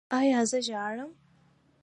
ایا زه ژاړم؟